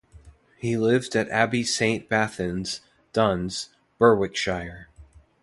He lived at Abbey Saint Bathans, Duns, Berwickshire.